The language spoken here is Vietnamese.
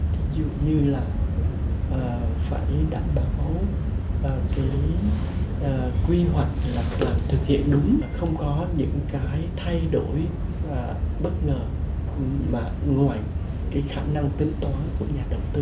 ví dụ như là phải đảm bảo quy hoạch thực hiện đúng không có những thay đổi bất ngờ ngoài khả năng tiến toán của nhà đầu tư